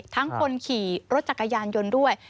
คนขี่รถจักรยานยนต์ด้วย